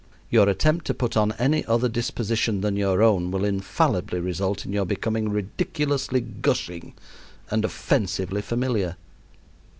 Your attempt to put on any other disposition than your own will infallibly result in your becoming ridiculously gushing and offensively familiar.